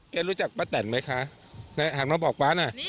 รู้จักป้าแตนไหมคะหันมาบอกป๊าน่ะ